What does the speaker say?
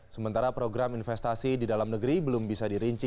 sementara program investasi di dalam negeri belum bisa dirinci